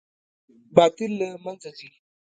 باطل له منځه ځي